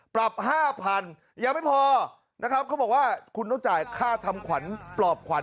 ปรับ๕๐๐๐ยังไม่พอนะครับเขาบอกว่าคุณต้องจ่ายค่าทำขวัญปลอบขวัญ